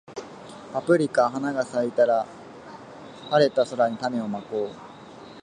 パプリカ花が咲いたら、晴れた空に種をまこう